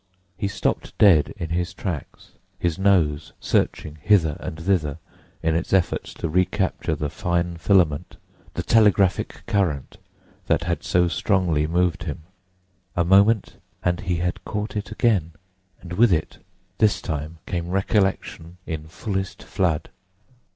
He stopped dead in his tracks, his nose searching hither and thither in its efforts to recapture the fine filament, the telegraphic current, that had so strongly moved him. A moment, and he had caught it again; and with it this time came recollection in fullest flood.